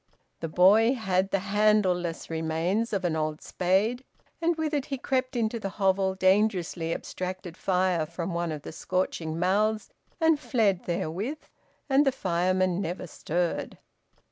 The boy had the handle less remains of an old spade, and with it he crept into the hovel, dangerously abstracted fire from one of the scorching mouths, and fled therewith, and the fireman never stirred.